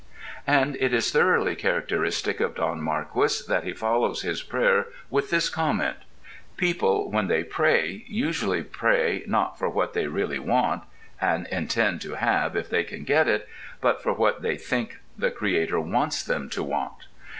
And it is thoroughly characteristic of Don Marquis that he follows his prayer with this comment: People, when they pray, usually pray not for what they really want—and intend to have if they can get it—but for what they think the Creator wants them to want.